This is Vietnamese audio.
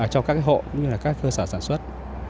cho các hộ các cơ sở sản xuất